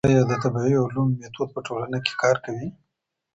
ايا د طبيعي علومو ميتود په ټولنه کي کار کوي؟